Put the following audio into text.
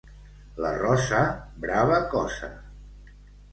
La rosa, brava cosa!